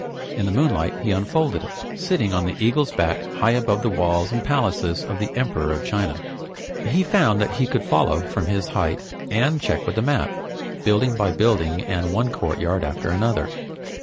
In the moonlight he unfolded it, sitting on the eagle's back high above the walls and palaces of the Emperor of China. He found that he could follow, from his height, and check with the map, building by building and one courtyard after another.